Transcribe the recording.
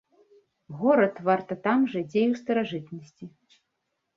Горад варта там жа, дзе і ў старажытнасці.